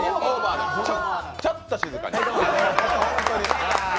ちょっと静かに。